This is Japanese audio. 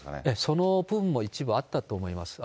その部分も一部あったと思います。